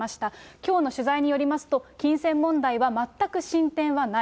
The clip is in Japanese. きょうの取材によりますと、金銭問題は全く進展はない。